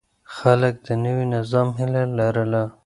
خلک د نوي نظام هيله لرله.